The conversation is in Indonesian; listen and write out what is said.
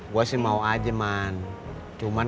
gue sih mau aja man cuman